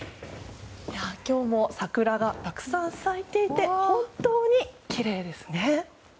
今日も桜がたくさん咲いていて本当にきれいですね。